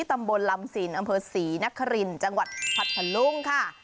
ตำบลลำสินอำเภอศรีนครินจังหวัดพัทธลุงค่ะ